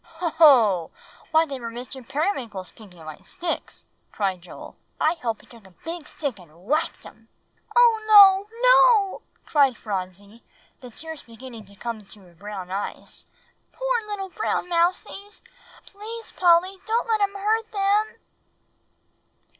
"Hoh, hoh! why, they were Mr. Periwinkle's pink and white sticks," cried Joel. "O Polly! I hope he took a big stick and whacked 'em." "Oh, no, no!" cried Phronsie, the tears beginning to come into her brown eyes; "poor little brown mousies. Please, Polly don't let him hurt them."